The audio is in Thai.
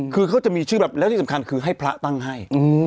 คือเขาจะมีชื่อแบบแล้วที่สำคัญคือให้พระตั้งให้